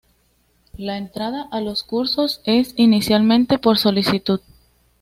La entrada a los cursos es inicialmente por solicitud.